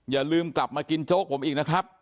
อย่าลืมกลับมากินโจ๊กผมอีกนะครับ